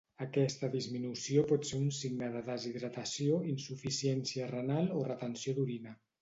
Aquesta disminució pot ser un signe de deshidratació, insuficiència renal o retenció d'orina.